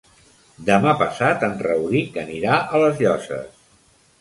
Demà passat en Rauric anirà a les Llosses.